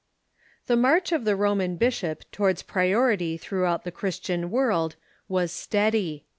vii.).j The march of the Roman bishop towards priority through out the Christian world was steady.